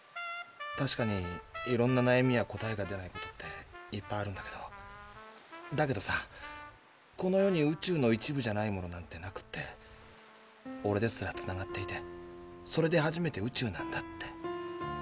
確かにいろんな悩みや答えが出ないことっていっぱいあるんだけどだけどさこの世に宇宙の一部じゃないものなんてなくってオレですらつながっていてそれで初めて宇宙なんだって。